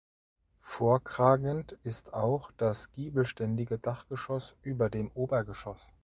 Vorkragend ist auch das giebelständige Dachgeschoss über dem Obergeschoss.